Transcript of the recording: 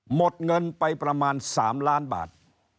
หมดเงินไปประมาณ๓ล้านบาท